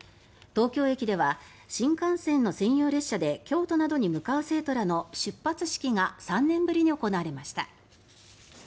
東京駅では新幹線の専用列車で京都などに向かう生徒らの出発式が３年ぶりに行われました。